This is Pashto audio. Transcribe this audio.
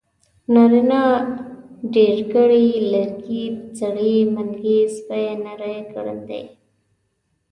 نارينه ډېرګړی ي لرګي سړي منګي سپي نري ګړندي